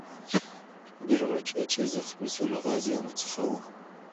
بیرغچی چې زخمي سو، له غازیانو څخه و.